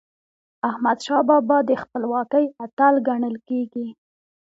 احمدشاه بابا د خپلواکی اتل ګڼل کېږي.